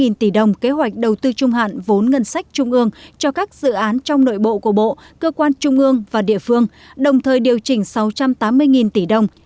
trên năm trăm hai mươi tám tỷ đồng kế hoạch đầu tư trung hạn vốn ngân sách trung ương cho các dự án trong nội bộ của bộ cơ quan trung ương và địa phương đồng thời điều chỉnh sáu trăm tám mươi tỷ đồng